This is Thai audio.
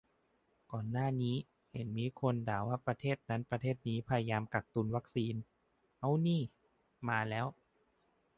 ก่อนหน้านี้เห็นมีคนด่าว่าประเทศนั้นประเทศนี้พยายามกักตุนวัคซีน เอ้า นี่ มาแล้ว